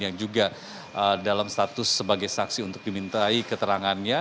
yang juga dalam status sebagai saksi untuk dimintai keterangannya